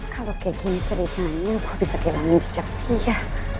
kalau kayak gini cerita aku bisa kelamin aja